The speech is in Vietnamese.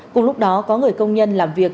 cùng lúc đó có người công nhân làm việc